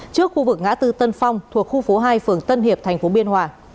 trước khu vực ngã tư tân phong thuộc khu phố hai phường tân hiệp tp biên hòa